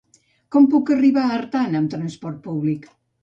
Com puc arribar a Artana amb transport públic?